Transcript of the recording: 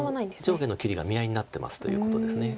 上下の切りが見合いになってますということです。